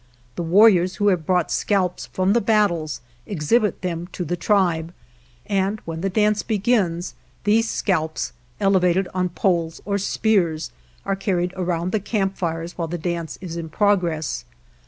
The war riors who have brought scalps from the battles exhibit them to the tribe, and when the dance begins these scalps, elevated on poles or spears, are carried around the camp fires while the dance is in progress.